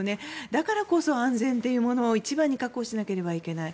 だからこそ安全というものを一番に確保しなければいけない。